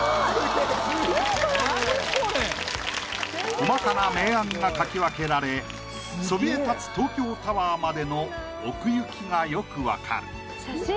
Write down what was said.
細かな明暗が描き分けられそびえ立つ東京タワーまでの奥行きがよくわかる。